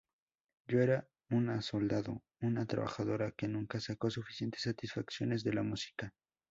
Yo era una soldado, una trabajadora que nunca sacó suficientes satisfacciones de la música.